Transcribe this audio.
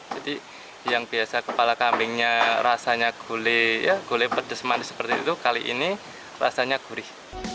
jadi yang biasa kepala kambingnya rasanya gulai pedas manis seperti itu kali ini rasanya gurih